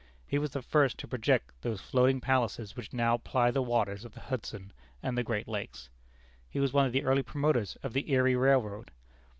He was the first to project those floating palaces which now ply the waters of the Hudson and the great lakes. He was one of the early promoters of the Erie Railroad.